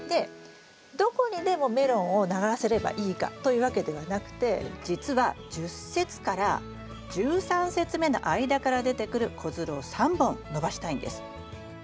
どこにでもメロンをならせればいいかというわけではなくてじつは１０節から１３節目の間から出てくる子づるを３本伸ばしたいんです。